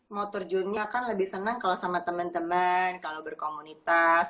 mau terjunnya kan lebih senang kalau sama teman teman kalau berkomunitas